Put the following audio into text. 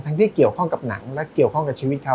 ที่เกี่ยวข้องกับหนังและเกี่ยวข้องกับชีวิตเขา